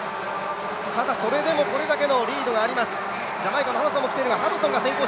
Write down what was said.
ただこれだけのリードがあります。